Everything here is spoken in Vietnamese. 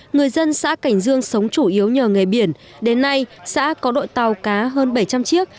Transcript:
người dân xã cảnh dương sống chủ yếu nhờ nghề biển đến nay xã có đội tàu cá hơn bảy trăm linh chiếc